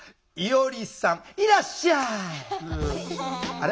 あれ？